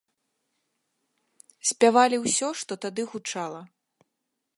Спявалі ўсё, што тады гучала.